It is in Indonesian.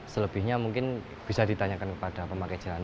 selebihnya mungkin bisa ditanyakan kepada pemakai jalan